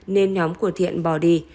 nên nhóm của thiện bỏ đi